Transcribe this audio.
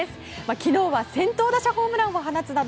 昨日は先頭打者ホームランを放つなど